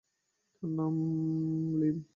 তার নাম লীম!